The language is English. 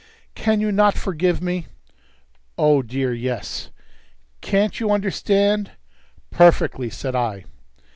"Can you not forgive me?" "Oh, dear, yes." "Can't you understand?" "Perfectly," said I.